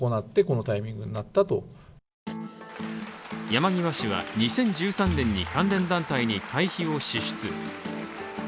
山際氏は、２０１３年に関連団体に会費を支出。